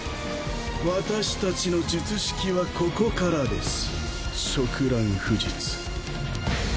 私たちの術式はここからです。